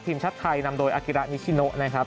ทีมชาติไทยนำโดยอากิระนิชิโนนะครับ